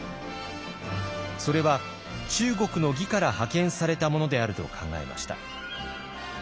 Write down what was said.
それは中国の魏から派遣されたものであると考えました。